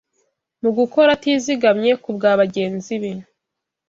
mu gukora atizigamye kubwa bagenzi be